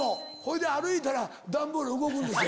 歩いたら段ボール動くんですよ。